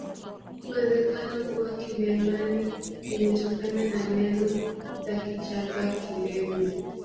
Uwezekano kuwa Kilemani limetokana na neno la Kichaga kileme